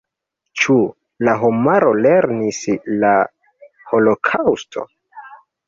Ĉu la homaro lernis de la holokaŭsto?